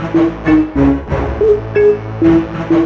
jadi kita bisa bisa